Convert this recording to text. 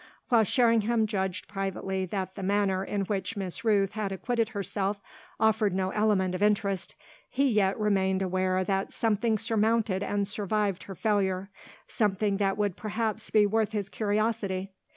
While Sherringham judged privately that the manner in which Miss Rooth had acquitted herself offered no element of interest, he yet remained aware that something surmounted and survived her failure, something that would perhaps be worth his curiosity.